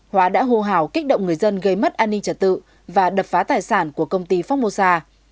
hóa đã hô hào kích động người dân gây mất an ninh trật tự và đập phá tài sản của công ty phong mô sa